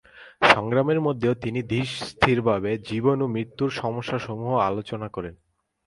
সংগ্রামের মধ্যেও তিনি ধীর স্থিরভাবে জীবন ও মৃত্যুর সমস্যাসমূহ আলোচনা করেন।